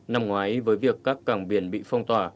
năm ngoái với việc các cảng biển bị phong tỏa